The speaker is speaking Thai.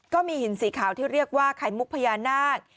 ก็มีหินสีขาวที่เรียกว่าไข่มุกพญานาค